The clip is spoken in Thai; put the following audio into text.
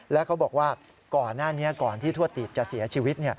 แล้วเขาบอกว่าก่อนหน้านี้ก่อนที่ทั่วตีบจะเสียชีวิต